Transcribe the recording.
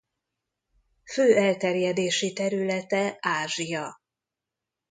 Fő elterjedési területe Ázsia.